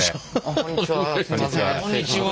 こんにちは。